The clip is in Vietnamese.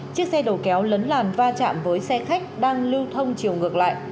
chiếc xe đầu kéo lấn làn va chạm với xe khách đang lưu thông chiều ngược lại